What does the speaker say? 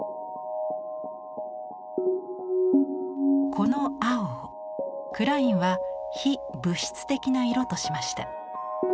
この青をクラインは非物質的な色としました。